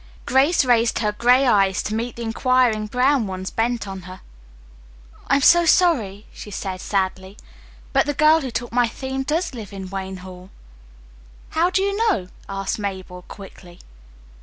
Grace raised her gray eyes to meet the inquiring brown ones bent on her. "I'm so sorry," she said sadly, "but the girl who took my theme does live in Wayne Hall." "How do you know?" asked Mabel quickly.